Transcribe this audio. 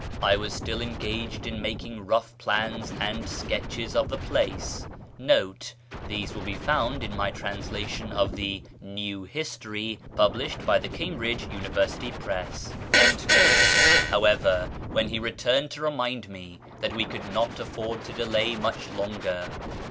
I was still engaged in making rough plans and sketches of the place,^ how 1 These will be found in my translation of the Ncio History, published by the pambridge University Press. 566 A YEAR AMONGST THE PERSIANS ever, when lie returnetl to remind me tliat we could not afford to delay much longer.